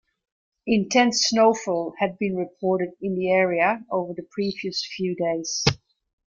Intense snowfall had been reported in the area over the previous few days.